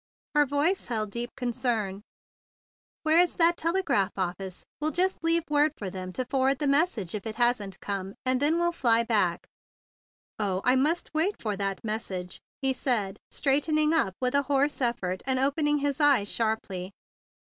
Her voice held deep concern. "Where is that tele¬ graph office? We'll just leave word for them to forward the message if it hasn't come and then we'll fly back. 9 130 THE BIG BLUE SOLDIER "Oh, I must wait for that message," he said, straightening up with a hoarse effort and opening his eyes sharply.